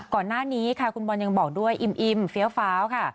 ก่อนหน้านี้ค่ะคุณบอลยังบอกด้วยอิ่มเฟี้ยวฟ้าวค่ะ